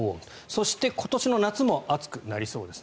そして、今年の夏も暑くなりそうです。